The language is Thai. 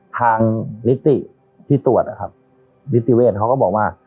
ทางนิติที่ตรวจนะครับนิติเวศเขาก็บอกว่า